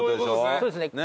そうですね。